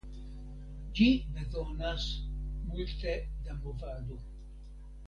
Ĝi bezonas multe da movado.